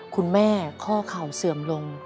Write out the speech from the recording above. คุณแม่ข้อเข่าเสื่อมลง